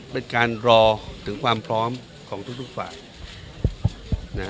เป็นการรอถึงความพร้อมของทุกฝ่าย